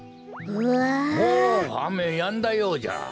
おおあめやんだようじゃ。